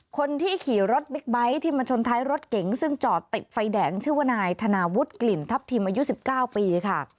คนที่ขี่รถบิ๊กไบท์ที่มาชนท้ายรถเก๋งซึ่งจอดติดไฟแดงชื่อว่านายธนาวุฒิกลิ่นทัพทิมอายุ๑๙ปีค่ะ